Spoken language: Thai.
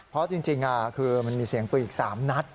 เพราะจริงคือมันมีเสียงปืนอีก๓นัด